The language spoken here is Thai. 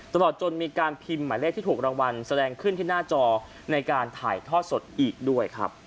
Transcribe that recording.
ตลอดจนมีการพิมพ์หมายเลขที่ถูกรางวัลแสดงขึ้นที่หน้าจอในการถ่ายทอดสดอีกด้วยครับ